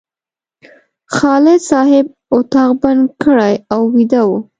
خالد صاحب اتاق بند کړی او ویده و.